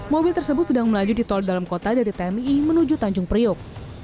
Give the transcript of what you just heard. mobil tersebut sedang melaju di tol dalam kota dari tmii menuju tanjung priuk